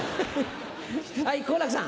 はい好楽さん。